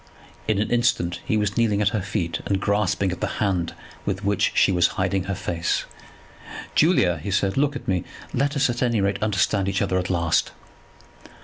In an instant he was kneeling at her feet, and grasping at the hand with which she was hiding her face. "Julia," he said, "look at me; let us at any rate understand each other at last."